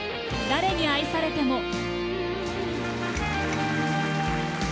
「誰に愛されても」。